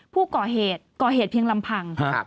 ผู้ก่อเหตุก่อเหตุเพียงลำพัง